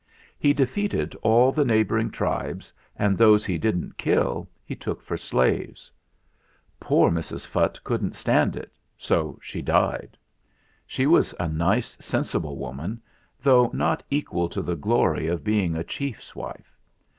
He defeated all the neighbouring tribes, and those he didn't kill he took for slaves. Poor Mrs. Phutt couldn't stand it, so she died. She was a nice sensible woman, though not equal to the glory of being a chief's wife.